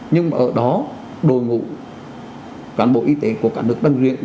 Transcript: nhưng mà ở đó đội ngũ cán bộ y tế của cả nước tân riêng